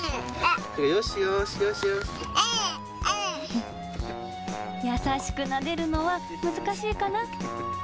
よしよーし、優しくなでるのは難しいかな？